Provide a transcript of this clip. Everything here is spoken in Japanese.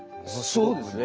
そうですね。